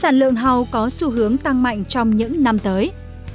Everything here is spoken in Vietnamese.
sản lượng hầu có xu hướng tăng mạnh trong những năm tới